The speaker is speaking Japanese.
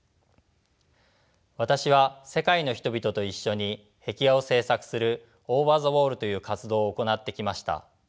私は世界の人々と一緒に壁画を制作するＯｖｅｒｔｈｅＷａｌｌという活動を行ってきました。